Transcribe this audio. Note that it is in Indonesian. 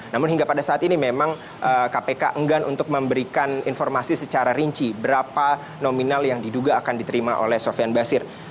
namun hingga pada saat ini memang kpk enggan untuk memberikan informasi secara rinci berapa nominal yang diduga akan diterima oleh sofian basir